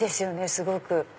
すごく。